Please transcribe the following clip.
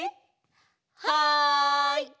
はい！